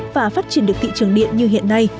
và phát triển được thị trường điện như hiện nay